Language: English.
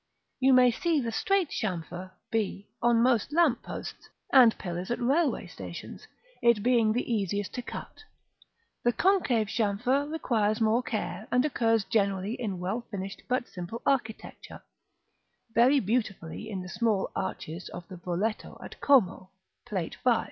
You may see the straight chamfer (b) on most lamp posts, and pillars at railway stations, it being the easiest to cut: the concave chamfer requires more care, and occurs generally in well finished but simple architecture very beautifully in the small arches of the Broletto of Como, Plate V.